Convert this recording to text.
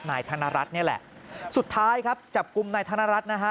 นายธนรัฐนี่แหละสุดท้ายครับจับกลุ่มนายธนรัฐนะฮะ